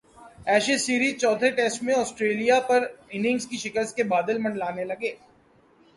Ashes series چوتھے test میں Australia پر اننگز کی شکست کے بادل منڈلانے لگے